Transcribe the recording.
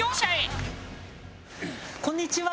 こんにちは。